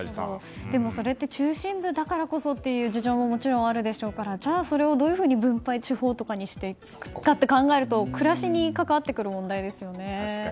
でも、それって中心部だからこそという事情ももちろんあるでしょうからじゃあ、それをどういうふうに地方とかに分配していくかと考えると暮らしに関わってくる問題ですよね。